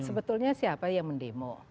sebetulnya siapa yang mendemo